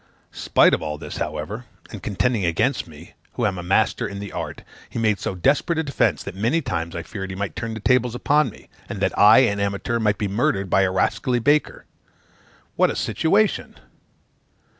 Spite of all this, however, and contending against me, who am a master in the art, he made so desperate a defence, that many times I feared he might turn the tables upon me; and that I, an amateur, might be murdered by a rascally baker. What a situation!